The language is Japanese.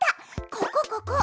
ここここ！